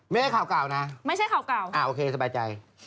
ไม่ใช่ข่าวเก่านะไม่ใช่ข่าวเก่าอ่าโอเคสบายใจ